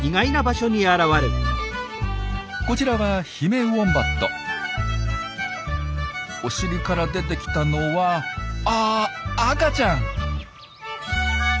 こちらはお尻から出てきたのはあ赤ちゃん！